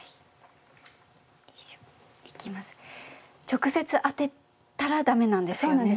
直接あてたら駄目なんですよね？